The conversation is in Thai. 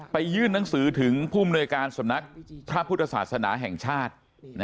ยื่นหนังสือถึงผู้มนวยการสำนักพระพุทธศาสนาแห่งชาติ